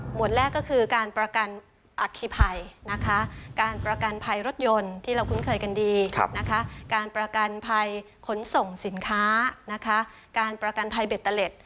แรกก็คือการประกันอัคคีภัยนะคะการประกันภัยรถยนต์ที่เราคุ้นเคยกันดีนะคะการประกันภัยขนส่งสินค้านะคะการประกันภัยเบตเตอร์เล็ต